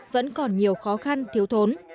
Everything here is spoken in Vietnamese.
vẫn còn nhiều khó khăn thiếu thốn